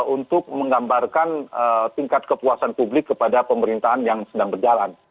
untuk menggambarkan tingkat kepuasan publik kepada pemerintahan yang sedang berjalan